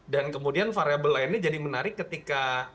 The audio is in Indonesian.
dan kemudian variabel lainnya jadi menarik ketika